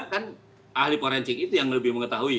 kan ahli forensik itu yang lebih mengetahui